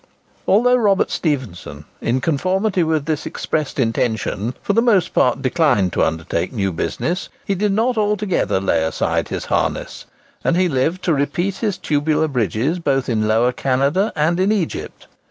Although Robert Stephenson, in conformity with this expressed intention, for the most part declined to undertake new business, he did not altogether lay aside his harness; and he lived to repeat his tubular bridges both in Lower Canada and in Egypt.